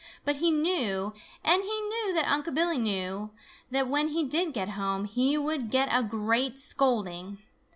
But he knew, and he knew that Unc' Billy knew, that when he did get home, he would get a great scolding.